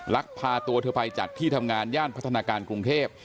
ลักพาตัวเธอไปจากที่ทำงานย่านพัฒนาการกรุงเทพ